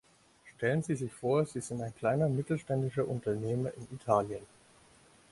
Stellen Sie sich vor, Sie sind ein kleiner, mittelständischer Unternehmer in Italien.